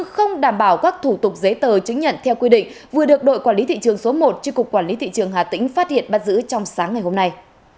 không đảm bảo các thủ tục giấy tờ chứng nhận theo quy định vừa được đội quản lý thị trường số một trên cục quản lý thị trường hà tĩnh phát hiện bắt giữ trong sáng ngày hôm nay